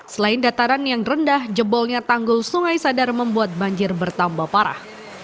selain dataran yang rendah jebolnya tanggul sungai sadar membuat banjir bertambah parah